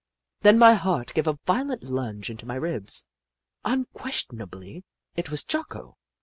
Then my heart gave a violent lunge into my ribs. Unquestionably, it was Jocko